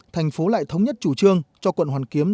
thành phố lại thống nhất chủ trương cho quận hoàn kiếm